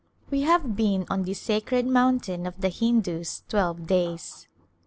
We have been on this " sacred mountain " of the Hindus twelve days.